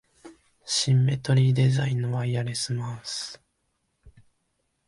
シンメトリーデザインのワイヤレスマウス